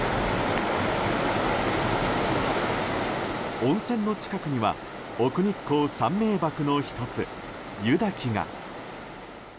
温泉の近くには奥日光三名瀑の１つ、湯滝が。